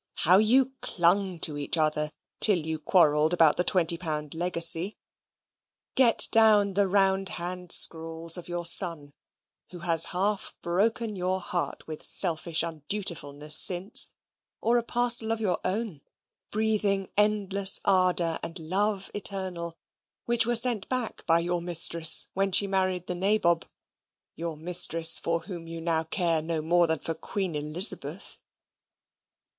how you clung to each other till you quarrelled about the twenty pound legacy! Get down the round hand scrawls of your son who has half broken your heart with selfish undutifulness since; or a parcel of your own, breathing endless ardour and love eternal, which were sent back by your mistress when she married the Nabob your mistress for whom you now care no more than for Queen Elizabeth.